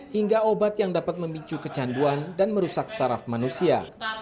hingga obat yang dapat memicu kecanduan dan merusak saraf manusia